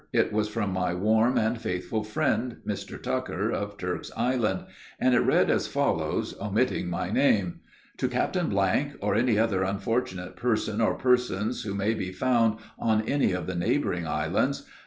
It was from my warm and faithful friend Mr. Tucker, of Turk's Island, and it read as follows, omitting my name: "To Captain , or any other unfortunate person or persons who may be found on any of the neighboring islands.